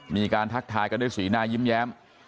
ทักทายกันด้วยสีหน้ายิ้มแย้ม